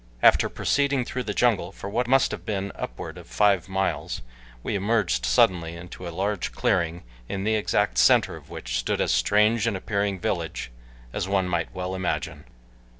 After proceeding through the jungle for what must have been upward of five miles we emerged suddenly into a large clearing in the exact center of which stood as strange an appearing village as one might well imagine.